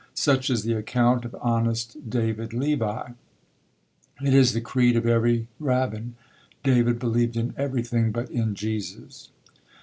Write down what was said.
Such is the account of honest David Levi; it is the creed of every rabbin. David believed in everything but in Jesus.